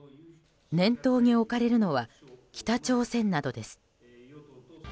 念頭に置かれるのは北朝鮮などです。